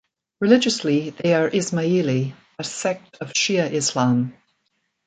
Religiously they are Ismaili, a sect of Shia Islam.